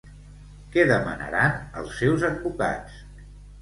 Què demanaran els seus advocats?